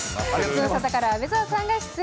ズムサタから梅澤さんが出演。